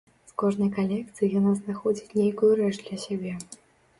З кожнай калекцыі яна знаходзіць нейкую рэч для сябе.